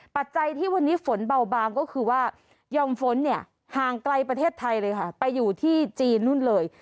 ปัจจัยที่วันนี้ฝนเบาบางก็คือว่ายอมฝนเนี่ยห่างไกลประเทศไทยเลยค่ะไปอยู่ที่จีนนู่นเลย